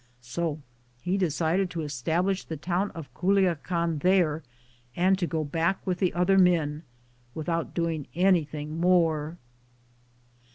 So he decided to establish the town of Culiacan there and to go back with the other men, without doing anything more.